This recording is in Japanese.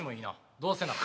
どうせなら。